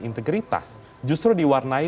integritas justru diwarnai